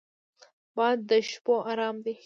باد د شپو ارام دی